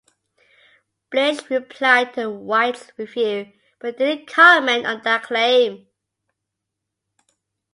Blish replied to White's review, but didn't comment on that claim.